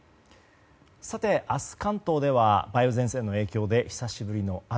明日、関東では梅雨前線の影響で久しぶりの雨。